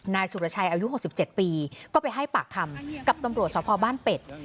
นายสุรชัยอายุ๖๗ปีก็ไปให้ปากคำกับตำรวจสพบ้านเป็ด